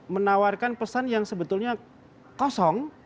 menawarkan pesan yang sebetulnya kosong